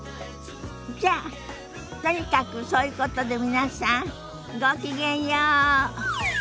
じゃあとにかくそういうことで皆さんごきげんよう。